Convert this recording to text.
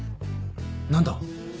何だ？